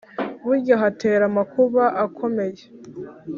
Burya hatera amakuba akomeye